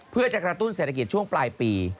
เพื่อจะกระตุ้นเศรษฐกิจช่วงปลายปี